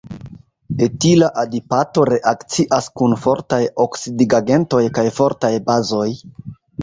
Etila adipato reakcias kun fortaj oksidigagentoj kaj fortaj bazoj.